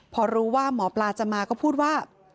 พอรู้ว่าหมอปลาจะมาก็พูดว่า